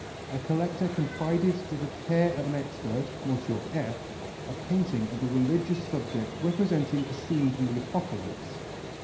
A collector confided to the care of an expert, Monsieur F , a painting of a religious subject representing a scene from the Apocalypse.